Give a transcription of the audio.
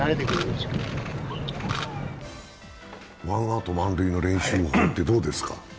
ワンアウト満塁の練習についてどうですか？